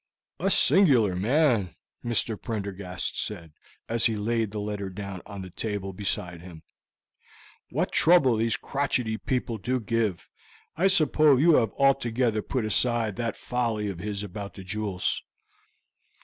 "A singular man," Mr. Prendergast said, as he laid the letter down on the table beside him. "What trouble these crotchety people do give! I suppose you have altogether put aside that folly of his about the jewels?"